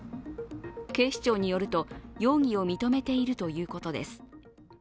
警視庁によると、容疑を認めているということです。